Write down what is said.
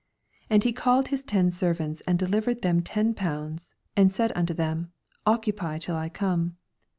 13 And he called his ten servants, and delivered them ten pounds, ana Biud onto them, Occupy till I come.